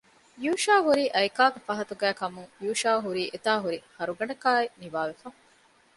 ޔޫޝައު ހުރީ އައިކާގެ ފަހަތުގައިކަމުން ޔޫޝައު ހުރީ އެތާ ހުރި ހަރުގަނޑަކާއި ނިވާވެފަ